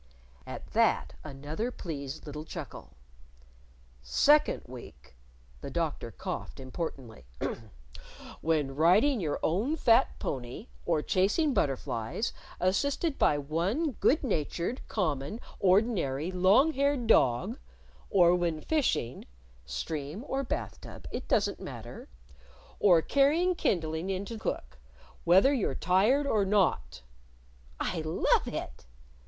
At that, another pleased little chuckle. "Second week:" (the Doctor coughed, importantly) "When riding your own fat pony, or chasing butterflies assisted by one good natured, common, ordinary, long haired dog; or when fishing (stream or bath tub, it doesn't matter!) or carrying kindling in to Cook whether you're tired or not!" "I love it!"